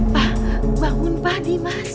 pak bangun pak dimas